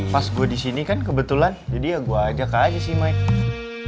pas gue di sini kan kebetulan jadi ya gue ajak aja sih mike